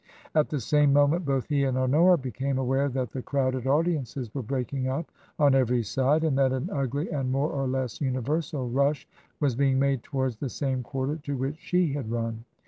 At the same moment both he and Honora became aware that the crowded audiences were breaking up on every side, and that an ugly and more or less universal rush was being made towards the same quarter to which she had run.